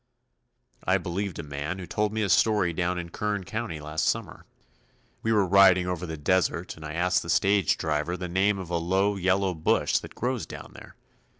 I believed a man who told me a story down in Kern County last summer. We were riding over the desert and I asked the stage driver the name of a low yellow bush that grows down there.